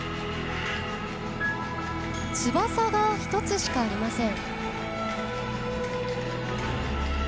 翼が１つしかありません。